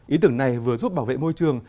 ý tưởng này vừa giúp bảo vệ môi trường